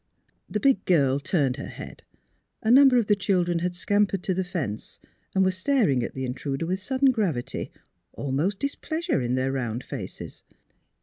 The big girl turned her head ; a number of the children had scampered to the fence, and were staring at the intruder with sudden gravity, al most displeasure on their round faces.